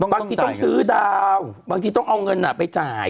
บางทีต้องซื้อดาวบางทีต้องเอาเงินไปจ่าย